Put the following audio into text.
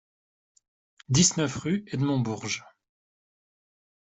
dix-neuf rue Edmond Bourges